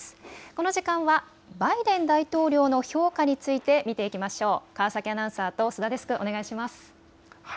この時間はバイデン大統領の評価について見ていきましょう。